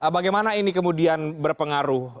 bagaimana ini kemudian berpengaruh